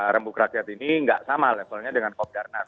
rembuk rakyat ini nggak sama levelnya dengan kopdarnas